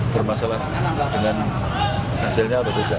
bermasalah dengan hasilnya atau tidak